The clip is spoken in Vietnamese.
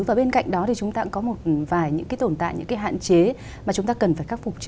và bên cạnh đó thì chúng ta cũng có một vài những cái tồn tại những cái hạn chế mà chúng ta cần phải khắc phục